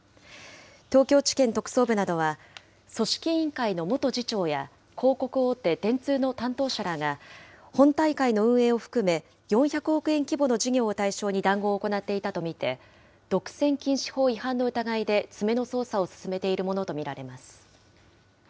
東京地検特捜部などは、組織委員会の元次長や、広告大手、電通の担当者らが、本大会の運営を含め、４００億円規模の事業を対象に談合を行っていたと見て、独占禁止法違反の疑いで詰めの捜査を進めているものと見られます。